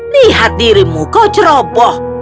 lihat dirimu kau ceroboh